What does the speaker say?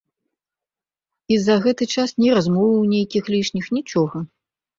І за гэты час ні размоваў нейкіх лішніх, нічога.